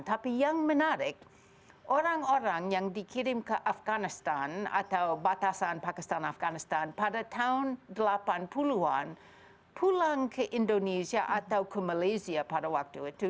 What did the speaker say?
tapi yang menarik orang orang yang dikirim ke afganistan atau batasan pakistan afganistan pada tahun delapan puluh an pulang ke indonesia atau ke malaysia pada waktu itu